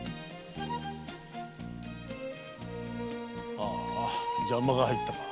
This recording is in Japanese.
あぁ邪魔が入ったか。